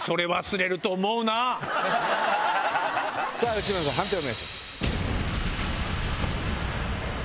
内村さん判定をお願いします。